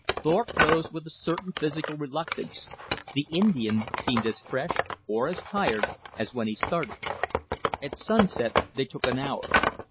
Thorpe rose with a certain physical reluctance. The Indian seemed as fresh or as tired as when he started. At sunset they took an hour.